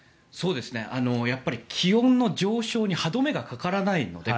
やっぱり気温の上昇に歯止めがかからないので。